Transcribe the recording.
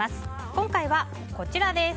今回はこちらです。